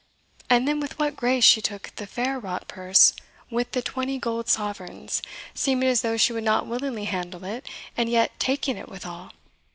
and then with what grace she took the fair wrought purse with the twenty gold sovereigns, seeming as though she would not willingly handle it, and yet taking it withal."